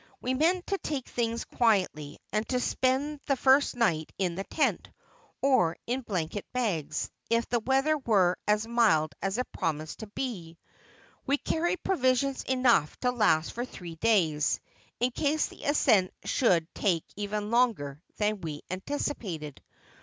We meant to take things quietly, and to spend the first night in the tent, or in blanket bags, if the weather were as mild as it promised to be. We carried pro visions enough to last for three days, in case the ascent should take even longer than we anticipated.